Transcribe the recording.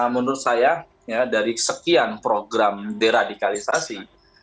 menurut saya dari sekian program deradikalisasi